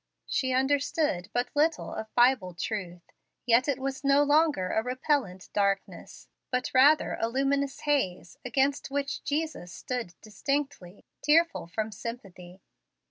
She understood but little of Bible truth, yet it was no longer a repellent darkness, but rather a luminous haze against which Jesus stood distinctly, tearful from sympathy.